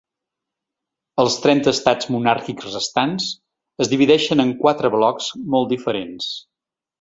Els trenta estats monàrquics restants es divideixen en quatre blocs molt diferents.